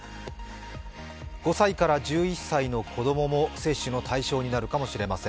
５歳から１１歳の子供も接種の対象になるかもしれません。